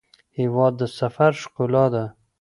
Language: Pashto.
هېواد د سفر ښکلا ده.